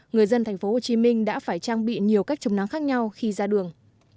người dân tp hcm đã phải trang bị nhiều cách chống nắng khác nhau khi ra đường